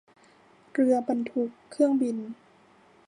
เรือบรรทุกเครื่องบิน